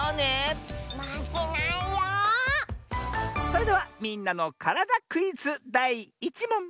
それでは「みんなのからだクイズ」だい１もん！